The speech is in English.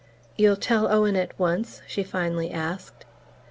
"You'll tell Owen at once?" she finally asked.